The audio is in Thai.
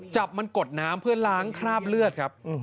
จับมันกดน้ำเพื่อล้างคราบเลือดครับ